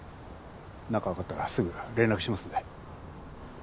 何かわかったらすぐ連絡しますんで。